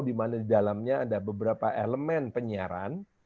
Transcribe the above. di mana di dalamnya ada beberapa elemen penyiaran